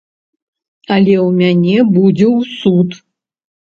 Але ў мяне будзе ў суд.